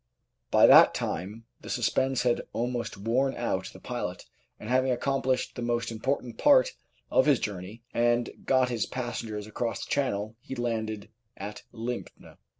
By that time the suspense had almost worn out the pilot, and having accomplished the most important part of his journey and got his passengers across the Channel, he landed at Lympne.